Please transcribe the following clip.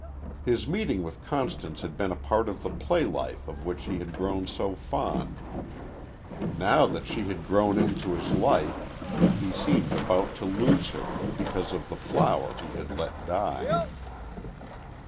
His meeting with Constance had been a part of the play life of which he had grown so fond. Now that she had grown into his life he seemed about to lose her, because of the flower he had let die.